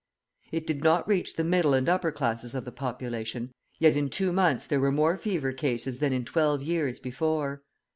It did not reach the middle and upper classes of the population, yet in two months there were more fever cases than in twelve years before.